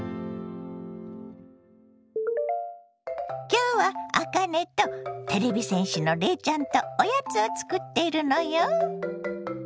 今日はあかねとてれび戦士のレイちゃんとおやつを作っているのよ。